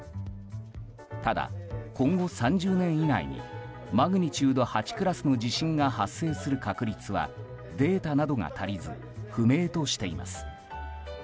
ただ、今後３０年以内にマグニチュード８クラスの地震が発生する確率はデータなどが足りず不明としています。